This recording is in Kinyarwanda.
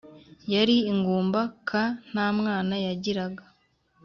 yari ingumba k nta mwana yagiraga